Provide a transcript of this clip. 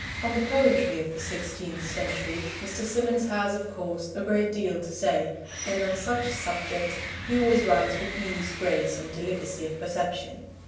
On the poetry of the sixteenth century Mr. Symonds has, of course, a great deal to say, and on such subjects he always writes with ease, grace, and delicacy of perception.